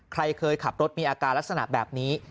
ใครเคยขับรถมีอาการลักษณะแบบนี้